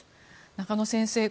中野先生